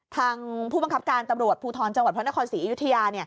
ผู้บังคับการตำรวจภูทรจังหวัดพระนครศรีอยุธยา